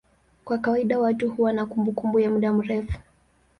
Kwa kawaida watu huwa na kumbukumbu ya muda mrefu.